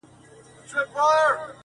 نه به شور د توتکیو نه به رنګ د انارګل وي-